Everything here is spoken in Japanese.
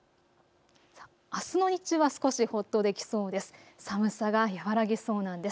あすの日中は少しほっとできそうです。